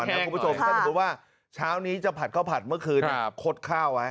น้องไมคิวดูเม็ดข้าว